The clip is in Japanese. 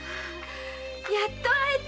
やっと会えた！